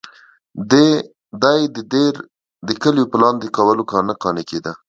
دی د دیر د کلیو په لاندې کولو نه قانع کېده.